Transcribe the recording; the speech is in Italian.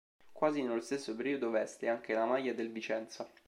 Quasi nello stesso periodo veste anche la maglia del Vicenza.